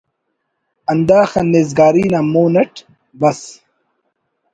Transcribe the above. ہنداخہ نیزگاری نا مون اٹ بس